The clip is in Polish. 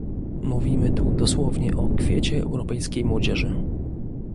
Mówimy tu dosłownie o kwiecie europejskiej młodzieży